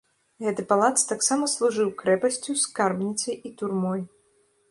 Гэты палац таксама служыў крэпасцю, скарбніцай і турмой.